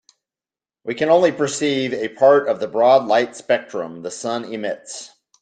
We can only perceive a part of the broad light spectrum the sun emits.